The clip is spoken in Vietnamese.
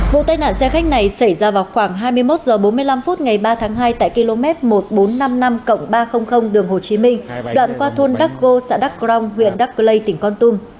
vụ tai nạn xe khách này xảy ra vào khoảng hai mươi một h bốn mươi năm phút ngày ba tháng hai tại km một nghìn bốn trăm năm mươi năm ba trăm linh đường hồ chí minh đoạn qua thôn đắc vô xã đắc grong huyện đắc cơ lây tỉnh con tum